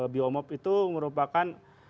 biomorf itu merupakan